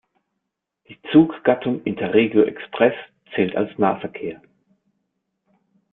Die Zuggattung "Interregio-Express" zählt als Nahverkehr.